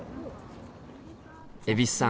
蛭子さん